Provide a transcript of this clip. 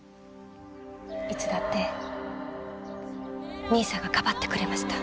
いつだって兄さんがかばってくれました。